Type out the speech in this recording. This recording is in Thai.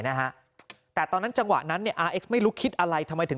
นะฮะแต่ตอนนั้นจังหวะนั้นเนี่ยอาร์เอ็กซไม่รู้คิดอะไรทำไมถึง